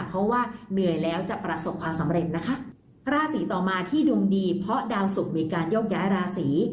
เพราะว่าเหนื่อยแล้วจะประสบความสำเร็จนะคะราศีต่อมาที่ดวงดีเพราะดาวสุกมีการโยกย้ายราศี